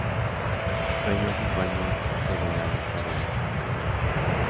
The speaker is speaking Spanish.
Reinó cinco años según la "Lista Real Sumeria".